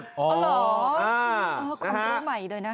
อ๋อของโลกใหม่เลยนะ